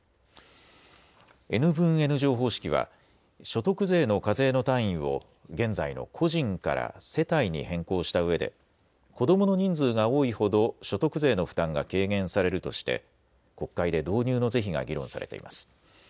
Ｎ分Ｎ乗方式は所得税の課税の単位を現在の個人から世帯に変更したうえで子どもの人数が多いほど所得税の負担が軽減されるとして国会で導入の是非が議論されています。